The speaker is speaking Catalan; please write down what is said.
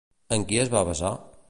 En qui es va basar?